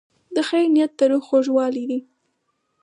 د خیر نیت د روح خوږوالی دی.